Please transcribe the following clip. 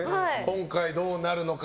今回どうなるのか。